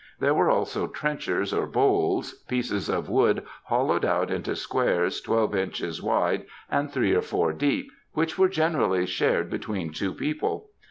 There were also trenchers or bowls, pieces of wood hollowed out into squares twelve inches wide and three or four deep, which were generaUy shared between two people.